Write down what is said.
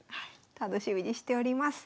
楽しみにしております。